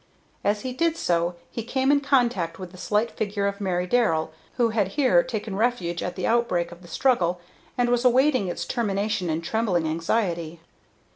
As he did so he came in contact with the slight figure of Mary Darrell, who had here taken refuge at the outbreak of the struggle, and was awaiting its termination in trembling anxiety.